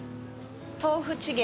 豆腐チゲ。